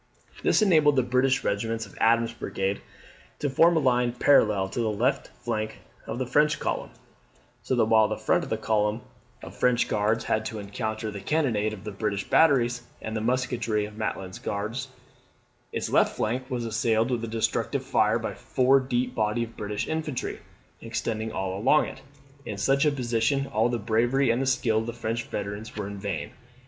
This enabled the British regiments of Adams's brigade to form a line parallel to the left flank of the French column; so that while the front of this column of French Guards had to encounter the cannonade of the British batteries, and the musketry of Maitlands Guards, its left flank was assailed with a destructive fire by a four deep body of British infantry, extending all along it. In such a position all the bravery and skill of the French veterans were vain.